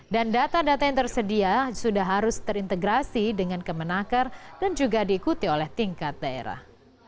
dan data data yang tersedia sudah harus terintegrasi dengan kemenangkar dan juga diikuti oleh tingkat daerah